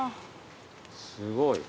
すごい。